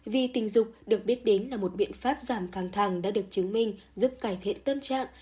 vì tình dục được biết đến là một biện pháp giảm căng thẳng đã được chứng minh giúp cải thiện tâm trạng